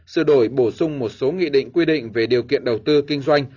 sửa đổi bổ sung một số nghị định quy định về điều kiện đầu tư kinh doanh